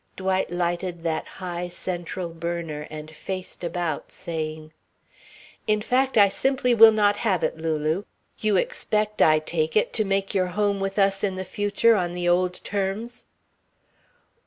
Dwight lighted that high, central burner and faced about, saying: "In fact, I simply will not have it, Lulu! You expect, I take it, to make your home with us in the future, on the old terms."